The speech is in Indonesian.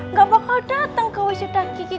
gak bakal dateng ke wisuda kiki